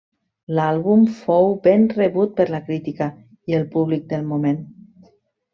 L'àlbum fou ben rebut per la crítica i el públic del moment.